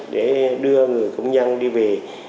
để đưa người công nhân đi về